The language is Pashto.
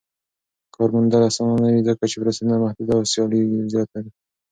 کار موندل اسانه نه وي ځکه چې فرصتونه محدود او سیالي زياته ده.